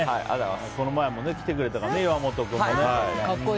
この前も来てくれたからね岩本君が。